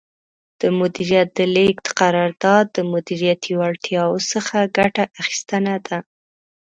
د مدیریت د لیږد قرار داد د مدیریتي وړتیاوو څخه ګټه اخیستنه ده.